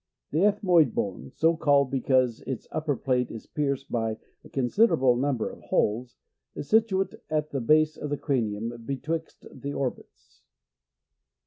The ethmoid bone, so called because its upper plate is pierced by a con siderable number of holes, is situate at the base of the cranium betwixt the orbits.